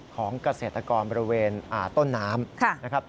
ของเกษตรกรบริเวณต้นน้ำ